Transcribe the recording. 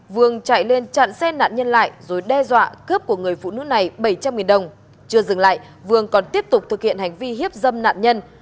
vương chạy lên chặn xe nạn nhân lại rồi đe dọa cướp của người phụ nữ này bảy trăm linh đồng chưa dừng lại vương còn tiếp tục thực hiện hành vi hiếp dâm nạn nhân